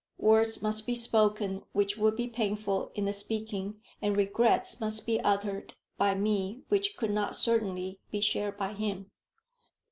Words must be spoken which would be painful in the speaking, and regrets must be uttered by me which could not certainly be shared by him.